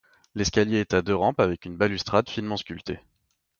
L'escalier est à deux rampes avec une balustrade finement sculptée.